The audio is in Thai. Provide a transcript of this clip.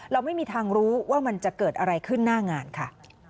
เราไม่มีทางรู้ว่ามันจะเกิดอะไรขึ้นหน้างานค่ะ